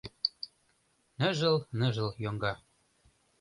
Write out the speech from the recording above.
Ныжыл-ныжыл, йоҥга.